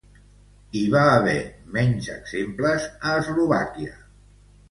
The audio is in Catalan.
Hi va haver menys exemples a Eslovàquia.